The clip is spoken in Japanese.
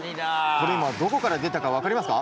これ今どこから出たか分かりますか？